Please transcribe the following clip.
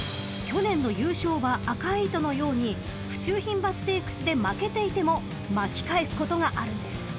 去年の優勝馬アカイイトのように府中牝馬ステークスで負けていても巻き返すことがあるんです］